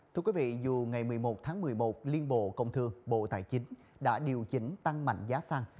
thưa quý vị dù ngày một mươi một tháng một mươi một liên bộ công thương bộ tài chính đã điều chỉnh tăng mạnh giá xăng